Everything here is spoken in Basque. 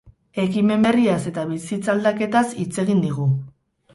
Ekimen berriaz eta bizitza aldaketaz hitz egin digu.